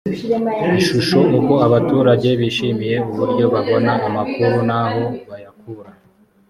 ishusho uko abaturage bishimiye uburyo babona amakuru n aho bayakura